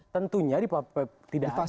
tentunya di pak pep tidak ada lah